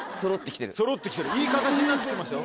いい形になってきてますよ。